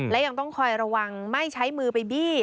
และยังต้องคอยระวังไม่ใช้มือไปบี้